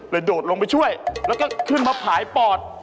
โดดลงไปช่วยแล้วก็ขึ้นมาผายปอด